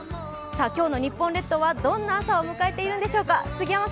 今日の日本列島はどんな朝を迎えているんでしょうか。